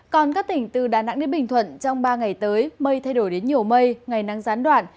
còn các tỉnh từ đà nẵng đến bình thuận trong ba ngày tới mây thay đổi đến nhiều mây ngày nắng gián đoạn